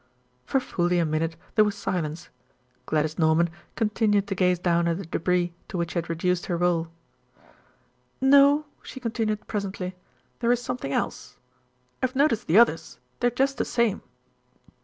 For fully a minute there was silence; Gladys Norman continued to gaze down at the débris to which she had reduced her roll. "No," she continued presently, "there is something else. I've noticed the others; they're just the same."